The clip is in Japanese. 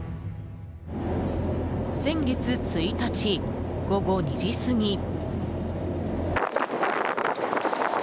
先月１日、午後２時過ぎ。